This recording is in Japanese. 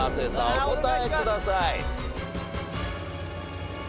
お答えください。